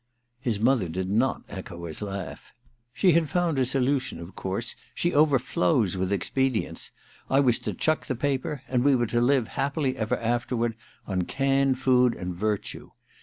^ His mother did not echo his laugh. ^She had found a solution, of course — ^she overflows with expedients. I was to chuck the paper, and we were to live happily ever after ward on canned food and virtue.